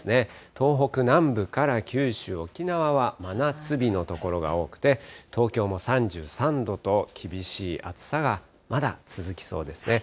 東北南部から九州、沖縄は真夏日の所が多くて、東京も３３度と、厳しい暑さがまだ続きそうですね。